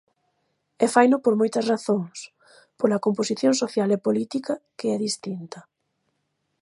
E faino por moitas razóns: pola composición social e política, que é distinta.